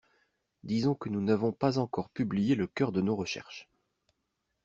Disons que nous n’avons pas encore publié le cœur de nos recherches